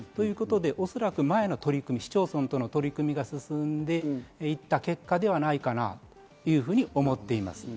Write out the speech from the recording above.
おそらく前の取り組み、市町村との取り組みが進んでいった結果ではないかなというふうに思っています。